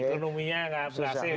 ekonominya tidak berhasil